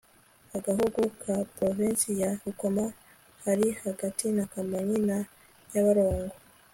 agahugu ka provinsi ya rukoma hari hagati ya kamonyi na nyabarongo